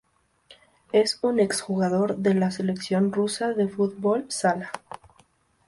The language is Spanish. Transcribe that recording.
Es un ex jugador de la Selección Rusa de fútbol sala.